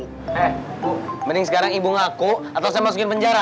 eh mending sekarang ibu ngaku atau saya masukin penjara